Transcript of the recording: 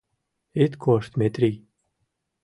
— Ит кошт, Метрий.